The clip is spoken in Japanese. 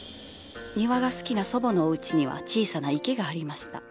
庭が好きな祖母のおうちには小さな池がありました。